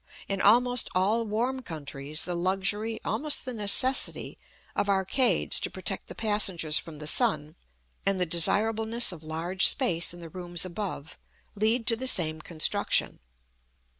In almost all warm countries the luxury, almost the necessity, of arcades to protect the passengers from the sun, and the desirableness of large space in the rooms above, lead to the same construction.